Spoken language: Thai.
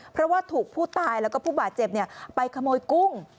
เพราะว่าถูกผู้ตายแล้วก็ผู้บาดเจ็บไปขโมยกุ้ง